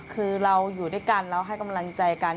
คือเราอยู่ด้วยกันเราให้กำลังใจกัน